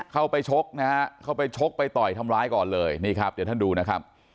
เข้าไปชกนะฮะเข้าไปชกไปต่อยทำร้ายก่อนเลยนี่ครับเดี๋ยวท่านดูนะครับ